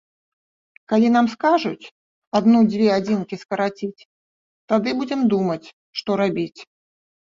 Калі нам скажуць адну-дзве адзінкі скараціць, тады будзем думаць, што рабіць.